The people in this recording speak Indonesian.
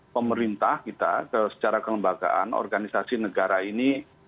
pemerintah kita secara kelembagaan organisasi negara ini